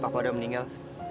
papa udah meninggal